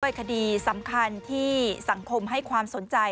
เป็นคดีสำคัญที่สังคมให้ความสนใจ